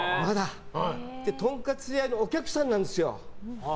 とんかつ屋のお客さんなんですよ。